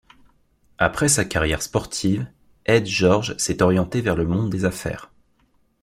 Après sa carrière sportive, Ed George s'est orienté vers le monde des affaires.